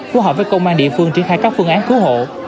của hợp với công an địa phương triển khai các phương án cứu hộ